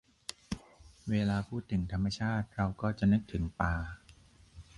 เวลาพูดถึงธรรมชาติเราก็จะนึกถึงป่า